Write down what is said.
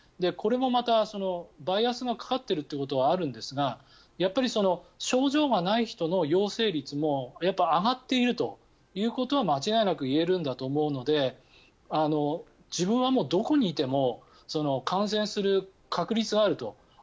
これもまたバイアスがかかってるということはあるんですがやっぱり症状がない人の陽性率もやっぱり上がっているということは間違いなく言えると思うので自分はもうどこにいても感染する確率はあると。